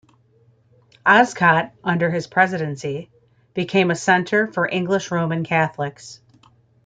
Oscott, under his presidency, became a centre for English Roman Catholics.